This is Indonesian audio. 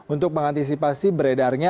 untuk mengantisipasi beredarnya